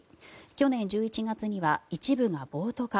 去年１１月には一部が暴徒化。